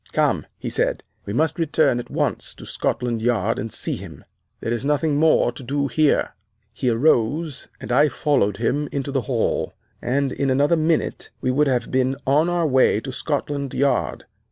Come,' he said, 'we must return at once to Scotland Yard and see him. There is nothing more to do here.' "He arose, and I followed him into the hall, and in another minute we would have been on our way to Scotland Yard.